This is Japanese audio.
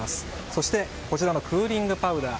そして、こちらのクーリングパウダー。